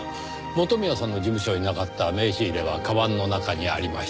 元宮さんの事務所になかった名刺入れは鞄の中にありました。